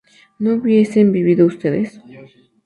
¿no hubiesen vivido ustedes?